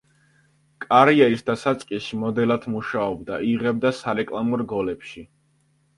კარიერის დასაწყისში მოდელად მუშაობდა, იღებდა სარეკლამო რგოლებში.